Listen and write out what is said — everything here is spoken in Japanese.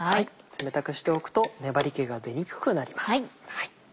冷たくしておくと粘り気が出にくくなります。